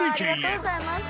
ありがとうございます。